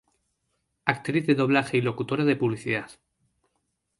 Actriz de doblaje y locutora de publicidad.